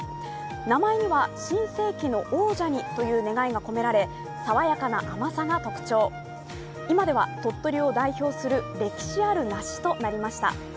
名前には新世紀の王者にという願いが込められ爽やかな甘さが特徴、今では鳥取を代表する歴史ある梨となりました。